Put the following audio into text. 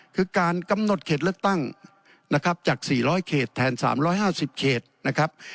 คือการกำหนดเขตเลือกตั้งนะครับจาก๔๐๐เขตแทน๓๕๐เขตนะครับ